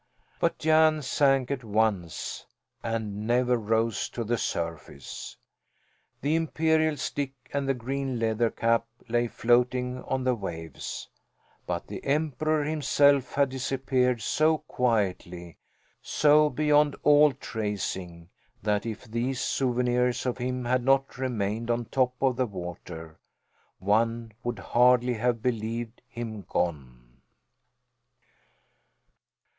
But Jan sank at once and never rose to the surface. The imperial stick and the green leather cap lay floating on the waves, but the Emperor himself had disappeared so quietly, so beyond all tracing, that if these souvenirs of him had not remained on top of the water, one would hardly have believed him gone.